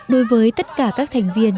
đối với tất cả các thành viên